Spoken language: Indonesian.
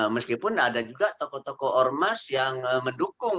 meskipun ada juga tokoh tokoh ormas yang mendukung